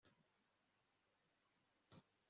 hamwe n'ibyiza biruta ibindi mu bimera buri kwezi